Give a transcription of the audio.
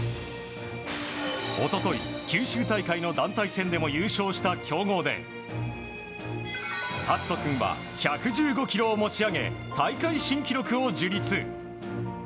一昨日、九州大会の団体戦でも優勝した強豪で尊君は、１５５ｋｇを持ち上げ大会新記録を樹立。